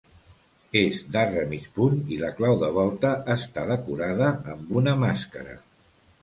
És d'arc de mig punt i la clau de volta està decorada amb una màscara.